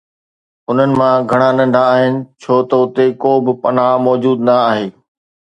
انھن مان گھڻا ننڍا آھن ڇو ته اتي ڪو به پناهه موجود نه آھي.